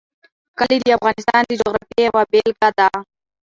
کلي د افغانستان د جغرافیې یوه بېلګه ده.